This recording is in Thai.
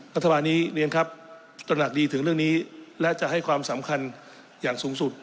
รัฐบาลนี้เรียนครับตระหนักดีถึงเรื่องนี้และจะให้ความสำคัญอย่างสูงสุด